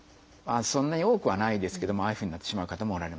そんなに多くはないですけどもああいうふうになってしまう方もおられますね。